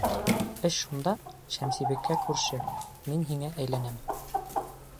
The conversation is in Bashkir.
Эш шунда, Шәмсебикә күрше: мин һиңә әйләнәм.